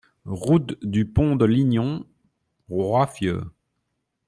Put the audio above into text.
Route du Pont de Lignon, Roiffieux